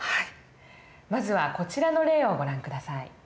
まずはこちらの例をご覧下さい。